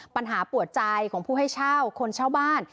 ปัญหาปวดใจของผู้ให้เช่าคนเช่าบ้าน